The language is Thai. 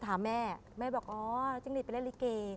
ถามแม่แม่บอกจิ้งฤทธิ์มาเล่นลิเก